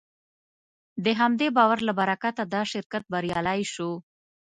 د همدې باور له برکته دا شرکت بریالی شو.